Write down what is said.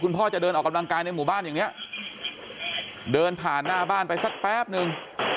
พ่อจะเดินออกกำลังกายในหมู่บ้านอย่างนี้เดินผ่านหน้าบ้านไปสักแป๊บนึง